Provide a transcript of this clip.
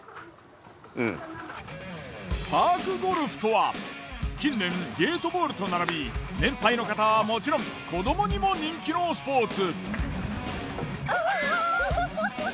パークゴルフとは近年ゲートボールと並び年配の方はもちろん子どもにも人気のスポーツ。